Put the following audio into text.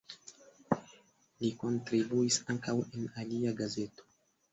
Li kontribuis ankaŭ en alia gazeto.